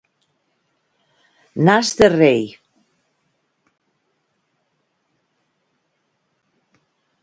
Nas de rei.